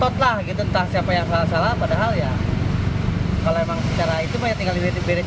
panjang kan ke belakang cuma adu argumen aja sampai ngejar lampu merah